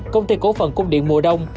công ty cổ phần cung điện mùa đông